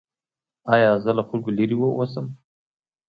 ایا زه له خلکو لرې اوسم؟